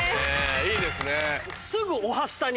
いいですね。